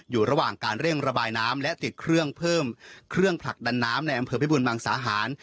อยู่ระหว่างการเร่งระบายน้ำและติดเครื่องเพิ่มเครื่องผลักดันน้ำในอำเภอพิบูรมังสาหาร